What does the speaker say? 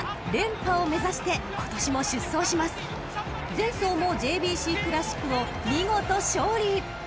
［前走もＪＢＣクラシックを見事勝利！］